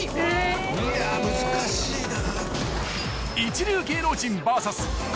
いや難しいな。